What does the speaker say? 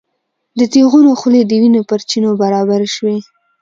د تیغونو خولې د وینو پر چینو برابرې شوې.